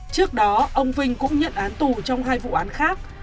trước đó ông vinh cũng nhận án tù trong hai vụ án khác